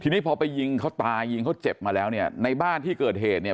ทีนี้พอไปยิงเขาตายยิงเขาเจ็บมาแล้วเนี่ยในบ้านที่เกิดเหตุเนี่ย